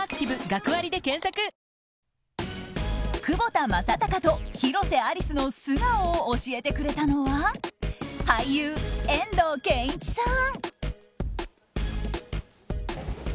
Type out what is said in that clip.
窪田正孝と広瀬アリスの素顔を教えてくれたのは俳優・遠藤憲一さん。